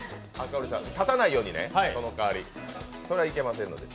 立たないようにねそれはいけませんので。